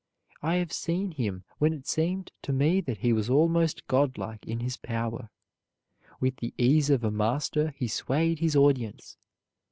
I have seen him when it seemed to me that he was almost godlike in his power. With the ease of a master he swayed his audience.